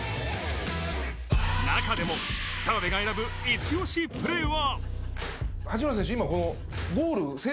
中でも澤部が選ぶイチオシプレーは。